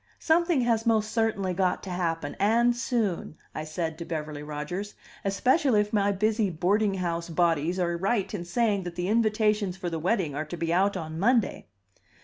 "Something has most certainly got to happen and soon," I said to Beverly Rodgers. "Especially if my busy boarding house bodies are right in saying that the invitations for the wedding are to be out on Monday."